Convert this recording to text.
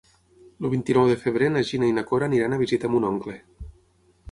El vint-i-nou de febrer na Gina i na Cora aniran a visitar mon oncle.